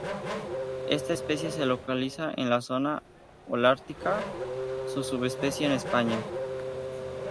Esta especie se localiza en la zona Holártica, su subespecie en España.